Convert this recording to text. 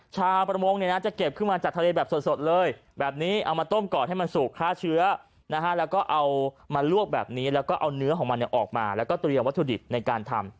ชาวประมงเนี่ยนะจะเก็บขึ้นมาจากทะเลแบบสดเลยแบบนี้เอามาต้มก่อนให้มันสุกฆ่าเชื้อนะฮะแล้วก็เอามาลวกแบบนี้แล้วก็เอาเนื้อของมันออกมาแล้วก็เตรียมวัตถุดิบในการทำ